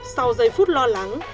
sau giây phút lo lắng